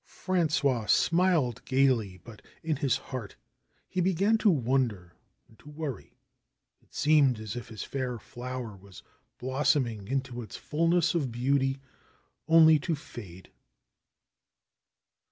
Frangois smiled gaily, but in his heart he began to wonder and to worry. It seemed as if his fair flower was blossoming into its fullness of beauty only to fade.